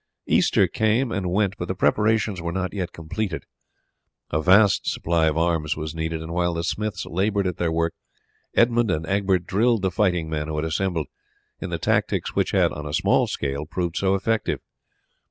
Easter came and went, but the preparations were not yet completed. A vast supply of arms was needed, and while the smiths laboured at their work Edmund and Egbert drilled the fighting men who had assembled, in the tactics which had on a small scale proved so effective.